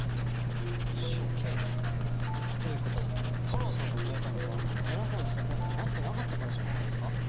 タロウさんが消えたのは皆さんのサポートがなってなかったからじゃないですか？